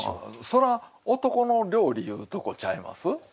そら「男の料理」いうとこちゃいます？